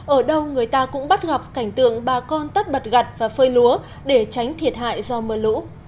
ở đâu người ta cũng bắt gặp cảnh tượng bà con tất bật gặt và phơi lúa để tránh thiệt hại do mưa lũ